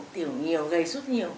tiểu nhiều gầy suốt nhiều